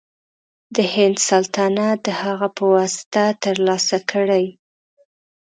د هند سلطنت د هغه په واسطه تر لاسه کړي.